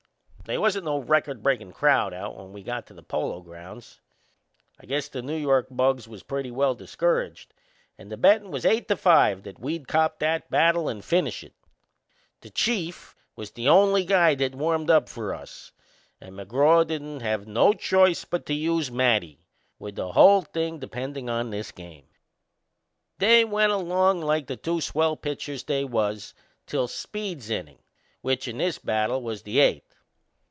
They wasn't no record breakin' crowd out when we got to the Polo Grounds. I guess the New York bugs was pretty well discouraged and the bettin' was eight to five that we'd cop that battle and finish it. The Chief was the only guy that warmed up for us and McGraw didn't have no choice but to use Matty, with the whole thing dependin' on this game. They went along like the two swell pitchers they was till Speed's innin', which in this battle was the eighth.